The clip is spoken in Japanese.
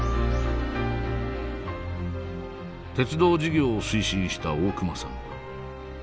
鉄道事業を推進した大隈さん。